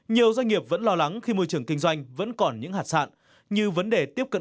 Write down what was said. nhiều doanh nghiệp vẫn lo lắng khi môi trường kinh doanh vẫn còn những hạt sạn như vấn đề tiếp cận